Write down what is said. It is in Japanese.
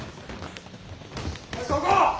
そこ！